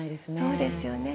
そうですよね。